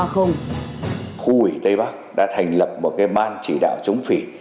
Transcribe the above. khu ủy tây bắc đã thành lập một cái ban chỉ đạo chống phỉ